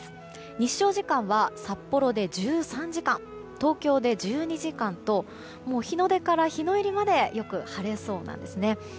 日照時間は、札幌で１３時間東京で１２時間と日の出から日の入りまでよく晴れそうなんですね。